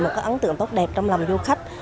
một cái ấn tượng tốt đẹp trong lòng du khách